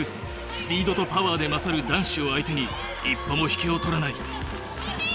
スピードとパワーで勝る男子を相手に一歩も引けを取らない。